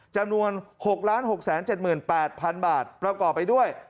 จำนวน๖๖๗๘๐๐๐บาทประกอบไปด้วย